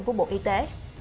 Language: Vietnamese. của bộ y tế